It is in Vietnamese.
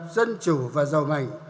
dân chủ và giàu mạnh